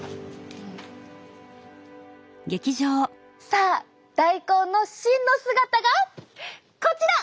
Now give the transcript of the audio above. さあ大根の真の姿がこちら！